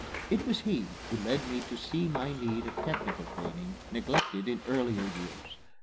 It was he who led me to see my need of technical training, neglected in earlier years.